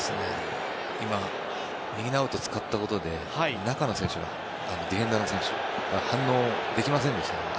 今、右のアウトを使ったことで中の選手がディフェンダーの選手が反応できませんでしたよね。